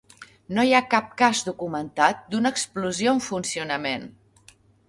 No hi ha cap cas documentat d'una explosió en funcionament.